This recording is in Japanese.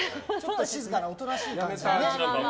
静かなおとなしい感じにね。